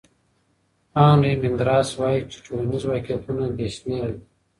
هانري مندراس وایي چې ټولنیز واقعیتونه بې شمېره دي.